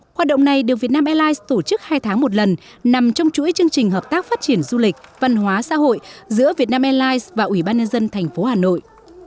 hoạt động này được việt nam airlines tổ chức hai tháng một lần nằm trong chuỗi chương trình hợp tác phát triển du lịch văn hóa xã hội giữa việt nam airlines và ủy ban nhân dân thành phố hà nội